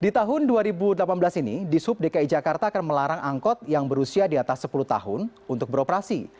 di tahun dua ribu delapan belas ini di sub dki jakarta akan melarang angkot yang berusia di atas sepuluh tahun untuk beroperasi